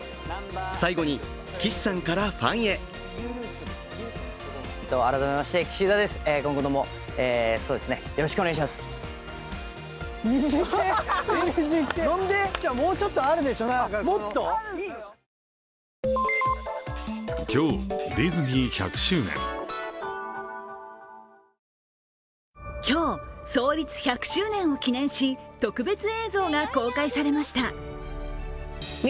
最後に岸さんからファンへ今日、創立１００周年を記念し、特別映像が公開されました。